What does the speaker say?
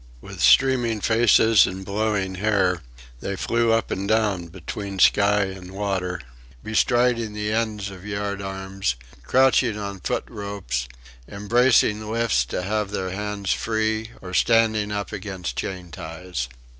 With streaming faces and blowing hair they flew up and down between sky and water, bestriding the ends of yard arms, crouching on foot ropes, embracing lifts to have their hands free, or standing up against chain ties.